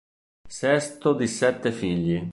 Sesto di sette figli.